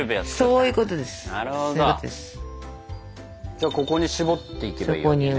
じゃあここに絞っていけばいいわけね？